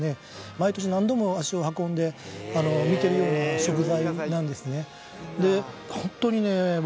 毎年何度も足を運んで見てるような食材なんですねでホントにね